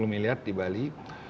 sepuluh miliar di bali